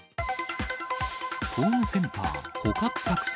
ホームセンター捕獲作戦。